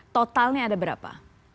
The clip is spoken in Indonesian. totalnya ada berapa